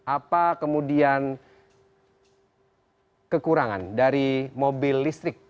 apa kemudian kekurangan dari mobil listrik